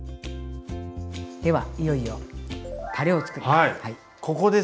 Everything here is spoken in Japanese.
ではいよいよたれをつくります。